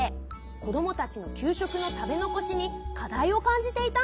子どもたちの給食の食べ残しにかだいを感じていたんだ。